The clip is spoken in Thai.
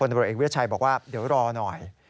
คนบริเวศชัยบอกว่าเดี๋ยวรอหน่อย